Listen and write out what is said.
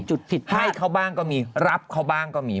จุดผิดให้เขาบ้างก็มีรับเขาบ้างก็มี